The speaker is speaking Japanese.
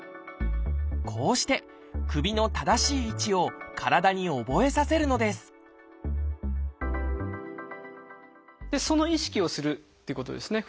こうして首の正しい位置を体に覚えさせるのですその意識をするっていうことですね。